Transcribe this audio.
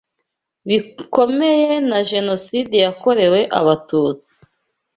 bikomeye na Jenoside yakorewe Abatutsi